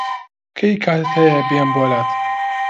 کەی کاتت هەیە بێم بۆلات؟